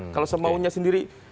kalau semaunya sendiri